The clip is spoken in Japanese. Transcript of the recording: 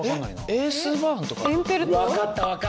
エースバーンとか？